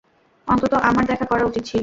অন্তত আমার দেখা করা উচিত ছিল।